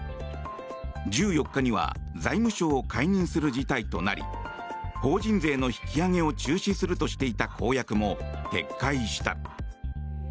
１４日には財務相を解任する事態となり法人税の引き上げを中止するとしていた公約も撤回した。